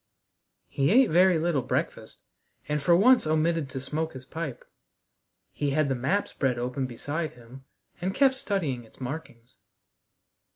He ate very little breakfast, and for once omitted to smoke his pipe. He had the map spread open beside him, and kept studying its markings.